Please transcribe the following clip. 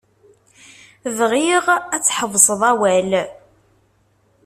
Bɣiɣ ad tḥebsed awal.